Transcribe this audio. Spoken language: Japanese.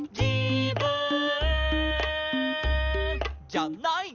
「じゃない」